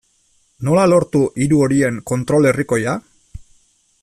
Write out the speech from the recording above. Nola lortu hiru horien kontrol herrikoia?